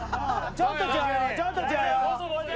ちょっと違うよ。